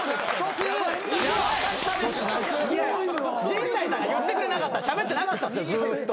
陣内さんが言ってくれなかったらしゃべってなかったずっと。